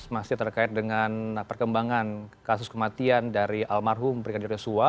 masih terkait dengan perkembangan kasus kematian dari almarhum brigadir yosua